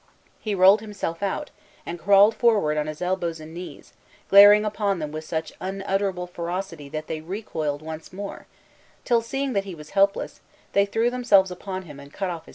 He rolled himself out, and crawled forward on his elbows and knees, glaring upon them with such unutterable ferocity that they recoiled once more, till, seeing that he was helpless, they threw themselves upon him, and cut off his head.